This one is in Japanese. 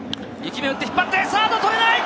２球目打って引っ張ってサード捕れない！